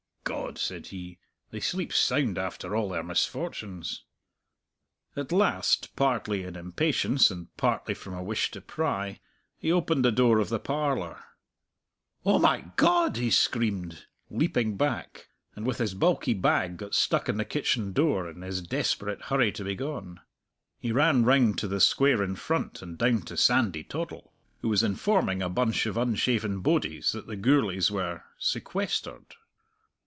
"God!" said he, "they sleep sound after all their misfortunes!" At last partly in impatience, and partly from a wish to pry he opened the door of the parlour. "Oh, my God!" he screamed, leaping back, and with his bulky bag got stuck in the kitchen door, in his desperate hurry to be gone. He ran round to the Square in front, and down to Sandy Toddle, who was informing a bunch of unshaven bodies that the Gourlays were "sequestered."